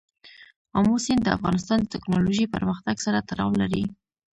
آمو سیند د افغانستان د تکنالوژۍ پرمختګ سره تړاو لري.